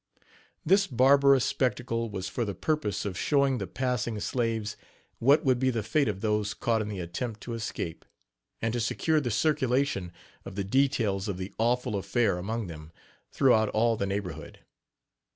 This barbarous spectacle was for the purpose of showing the passing slaves what would be the fate of those caught in the attempt to escape, and to secure the circulation of the details of the awful affair among them, throughout all the neighborhood.